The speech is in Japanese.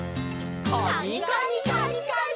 カニカニカニカニ。